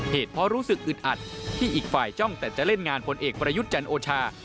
เหตุเพราะรู้สึกอึดอัดที่อีกฝ่ายจ้องแต่จะเล่นงานพลเอกประยุทธ์จันทร์โอชา